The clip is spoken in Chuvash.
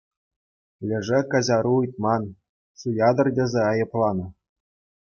Лешӗ каҫару ыйтман, суятӑр тесе айӑпланӑ.